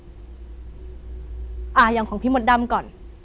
อเรนนี่เอออย่างของพี่มดดำก่อน